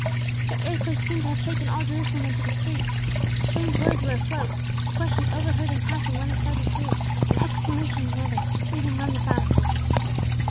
The earthquake seemed to have shaken all Jerusalem into the streets. Strange words were afloat. A question overheard in passing one excited group, an exclamation in another, made him run the faster.